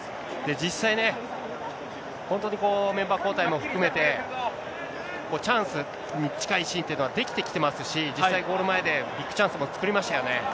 実際ね、本当にこう、メンバー交代も含めて、チャンスに近いシーンというのはできてきてますし、実際、ゴール前でビッグチャンスも作りましたよね。